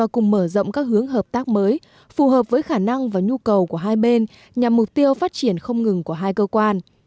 cùng mở rộng các hướng hợp tác mới phù hợp với khả năng và nhu cầu của hai bên nhằm mục tiêu phát triển không ngừng của hai cơ quan